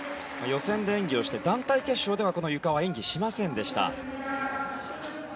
予選で演技をして団体決勝ではこのゆかは演技しませんでした。